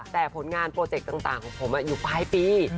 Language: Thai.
แต่ผลงานโปรเจกต์ต่างของผมอยู่ปลายปี